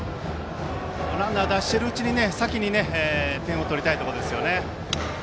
ランナー出しているうちに先に点を取りたいところですよね。